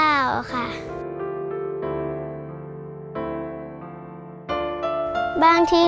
หนูนั่งรอจนดึกจนย้ายเรียกไปกินข้าวค่ะ